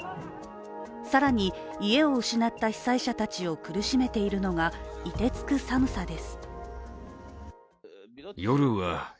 更に家を失った被災者たちを苦しめているのがいてつく寒さです。